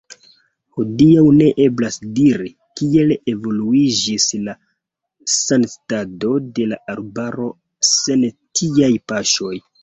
Hodiaŭ ne eblas diri, kiel evoluiĝis la sanstato de la arbaro sen tiaj paŝoj.